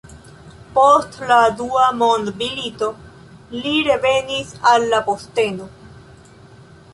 Post la Dua Mondmilito li revenis al la posteno.